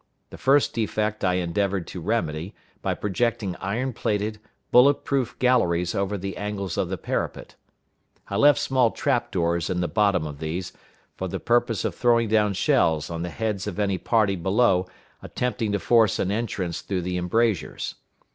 The first defect I endeavored to remedy by projecting iron plated, bullet proof galleries over the angles of the parapet. I left small trap doors in the bottom of these, for the purpose of throwing down shells on the heads of any party below attempting to force an entrance through the embrasures.